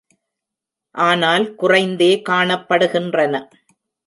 ஆனால் குறைந்தே காணப்படுகின்றன.